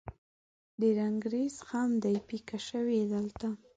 د رنګریز خم دې پیکه شوی دلته